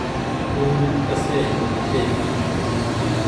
او ڪسي هيتي ۔